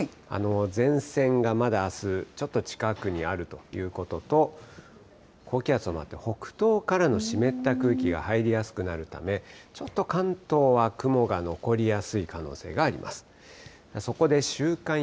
前線がまだあす、ちょっと近くにあるということと、高気圧を回って北東からの湿った空気が入りやすくなるため、ちょっと関東は雲が残りやすい可能性があります。